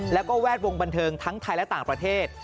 แล้วก็แวดวงบันเทิงทั้งไทยและต่างประเทศ